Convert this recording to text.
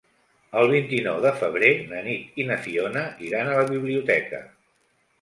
El vint-i-nou de febrer na Nit i na Fiona iran a la biblioteca.